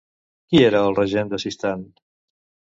Qui era el regent de Sistan?